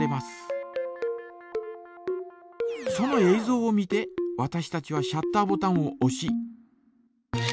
ぞうを見てわたしたちはシャッターボタンをおし。